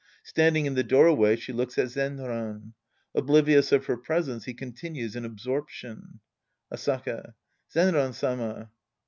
Standing in the doorway, she looks at Zenran. Oblivious of her presence, he continues in absorption^ Asaka. Zenran Sama.